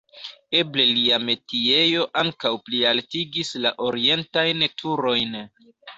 Eble lia metiejo ankaŭ plialtigis la orientajn turojn.